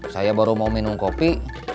saya baru mau minum kopi